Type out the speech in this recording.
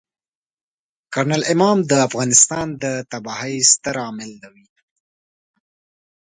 کرنل امام د افغانستان د تباهۍ ستر عامل وي.